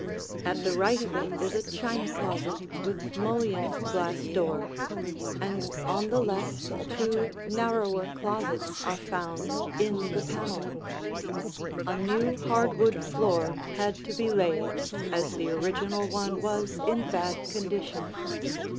At the right of it is a china closet with mullioned glass door, and on the left two narrower closets are found in the paneling. A new hardwood floor had to be laid, as the original one was in bad condition.